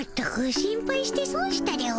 心配してそんしたでおじゃる。